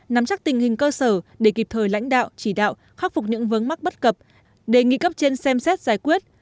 nắm chắc tình hình cơ sở để kịp thời lãnh đạo chỉ đạo khắc phục những vấn mắc bất cập đề nghị cấp trên xem xét giải quyết